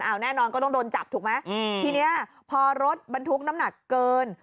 เอาแน่นอนก็ต้องโดนจับถูกไหมอืมทีเนี้ยพอรถบรรทุกน้ำหนักเกิน